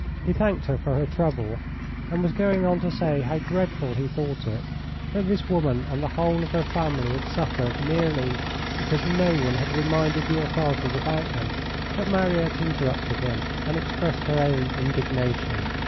He thanked her for her trouble, and was going on to say how dreadful he thought it, that this woman and the whole of her family had suffered merely, because no one had reminded the authorities about them, but Mariette interrupted him and expressed her own indignation.